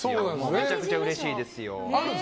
めちゃくちゃうれしいですよ。